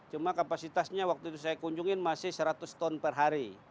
cuma kapasitasnya waktu itu saya kunjungi masih seratus ton per hari